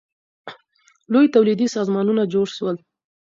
لوی تولیدي سازمانونه جوړ سول.